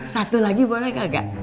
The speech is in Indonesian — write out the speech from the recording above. satu lagi boleh nggak